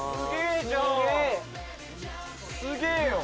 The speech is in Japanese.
すげえよ！